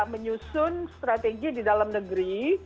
menyusun strategi di dalam negeri